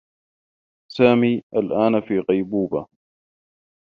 سامي الآن في غيبوبة.